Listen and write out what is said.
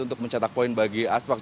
untuk mencetak poin bagi aspak